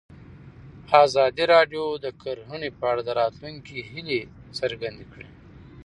ازادي راډیو د کرهنه په اړه د راتلونکي هیلې څرګندې کړې.